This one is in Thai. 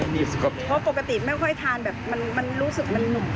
เพราะปกติไม่ค่อยทานแบบมันรู้สึกมันหนุ่ม